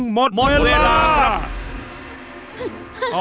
๕๔๓๒๑หมดเวลาครับ